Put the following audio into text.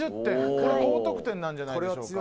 これ、高得点なんじゃないでしょうか。